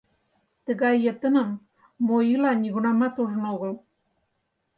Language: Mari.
Тыгай йытыным, мо ила, нигунамат ужын огыл.